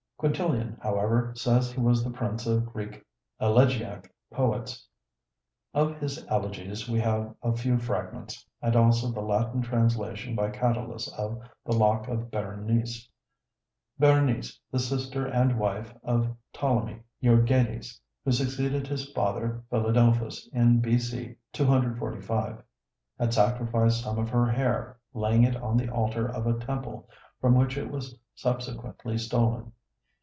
Quintilian, however, says he was the prince of Greek elegiac poets. Of his elegies we have a few fragments, and also the Latin translation by Catullus of the 'Lock of Berenice.' Berenice, the sister and wife of Ptolemy Euergetes, who succeeded his father Philadelphus in B.C. 245, had sacrificed some of her hair, laying it on the altar of a temple, from which it was subsequently stolen.